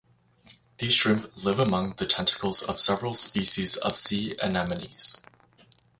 These shrimp live among the tentacles of several species of sea anemones.